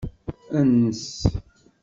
Ens.